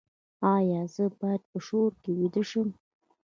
ایا زه باید په شور کې ویده شم؟